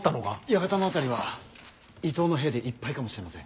館の辺りは伊東の兵でいっぱいかもしれません。